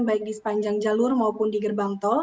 baik di sepanjang jalur maupun di gerbang tol